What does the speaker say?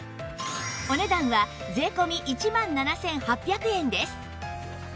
お値段は税込１万７８００円です